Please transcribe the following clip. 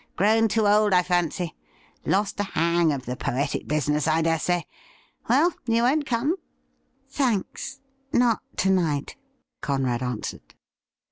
Grown too old, I fancy. Lost the hang of the poetic business, I dare say. Well, you won't come ?'' Thanks, not to night,' Conrad answered.